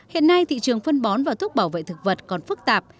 hiện nay thị trường phân bón và thuốc bảo vệ thực vật còn phức tạp